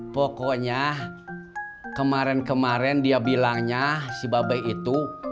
pokoknya kemaren kemaren dia bilangnya si babay itu